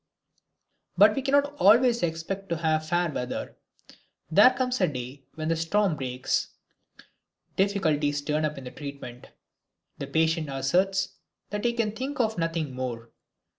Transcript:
But we cannot always expect to have fair weather. There comes a day when the storm breaks. Difficulties turn up in the treatment. The patient asserts that he can think of nothing more.